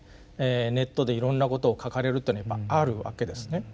ネットでいろんなことを書かれるっていうのはあるわけですね。